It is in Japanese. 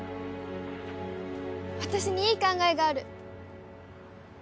私にいい考えがある。